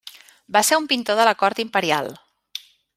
Va ser un pintor de la cort imperial.